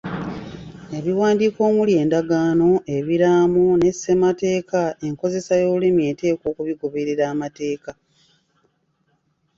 Ebiwandiiko omuli endagaano, ebiraamo ne ssemateeka enkozesa y'olulimi eteekwa okugoberera amateeka.